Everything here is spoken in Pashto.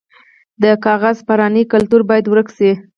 د کاغذ پرانۍ کلتور باید ورک شي.